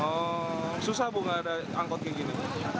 oh susah bu nggak ada angkot kayak gini